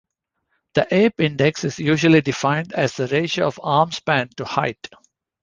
The ape index is usually defined as the ratio of arm span to height.